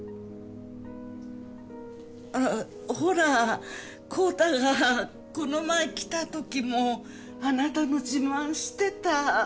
あぁほら昂太がこの前来た時もあなたの自慢してた。